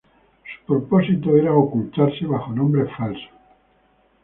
Su propósito era ocultarse bajo nombres falsos.